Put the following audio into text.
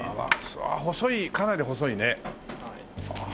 細いかなり細いね。